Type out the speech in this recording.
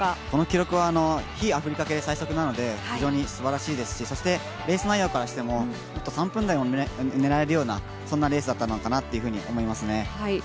この記録は非アフリカ系最速なので非常にすばらしいですし、レース内容としても３分台を狙えるようなレースだったのかなと思いますね。